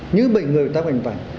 như bệnh người tắc mạch vảnh